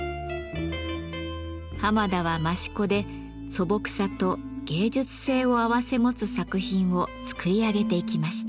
濱田は益子で素朴さと芸術性を併せ持つ作品を作り上げていきました。